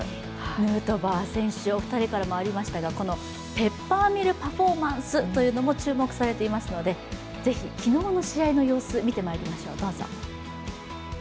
ヌートバー選手、お二人からもありましたがペッパーミルパフォーマンスも注目されていますので、ぜひ昨日の試合の様子を見てまいりましょう。